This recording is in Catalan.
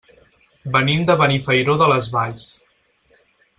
Venim de Benifairó de les Valls.